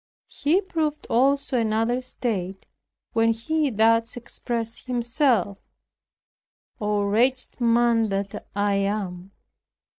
He proved also another state when he thus expressed himself, "Oh, wretched man that I am!